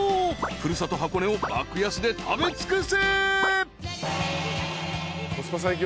古里箱根を爆安で食べ尽くせ］